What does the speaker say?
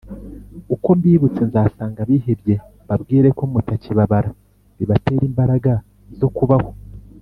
uko mbibutse nzasanga abihebye, mbabwire ko mutakibabara, bibatere imbaraga zo kubaho.